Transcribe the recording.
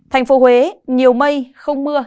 thành phố huế nhiều mây không mưa